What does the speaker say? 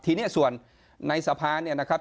ทีนี้ส่วนในสภาเนี่ยนะครับ